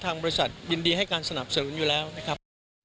บริษัทยินดีให้การสนับสนุนอยู่แล้วนะครับ